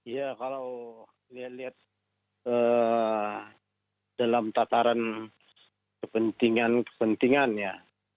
ya kalau dilihat dalam tataran kepentingan kepentingan ya